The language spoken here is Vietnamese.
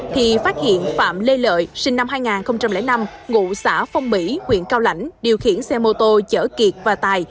thì phát hiện phạm lê lợi sinh năm hai nghìn năm ngụ xã phong mỹ huyện cao lãnh điều khiển xe mô tô chở kiệt và tài